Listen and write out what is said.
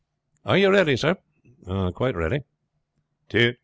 Are you ready, sir?" "Quite ready.